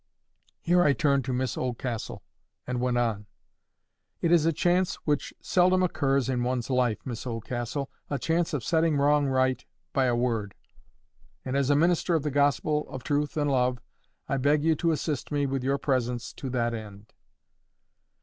Here I turned to Miss Oldcastle and went on— "It is a chance which seldom occurs in one's life, Miss Oldcastle—a chance of setting wrong right by a word; and as a minister of the gospel of truth and love, I beg you to assist me with your presence to that end."